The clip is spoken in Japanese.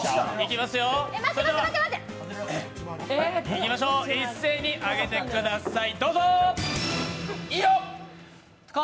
いきましょう、一斉に上げてください。